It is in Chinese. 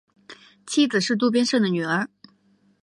妻子是渡边胜的女儿。